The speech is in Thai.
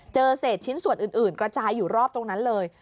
เจอเศษชิ้นส่วนอื่นกระจายอยู่รอบตรงนั้นเลย